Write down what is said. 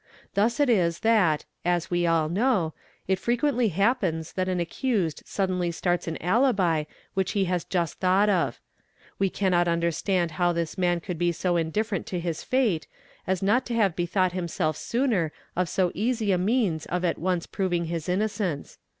Thus it is that, as we all know, it frequently happens that an accused suddenly starts an alibi which he has just thought of. We cannot understand _how this man could be so indifferent to his fate, as not to have bethought himself sooner of so easy a means of at once proving his innocence.